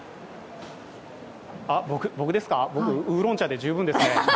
僕ですか、ウーロン茶で十分ですね。